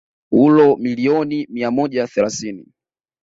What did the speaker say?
uro milioni mia moja thelathini